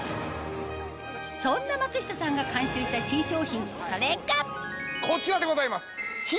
そんな松下さんが監修した新商品それがこちらでございます！